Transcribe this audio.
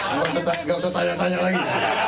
nggak usah tanya tanya lagi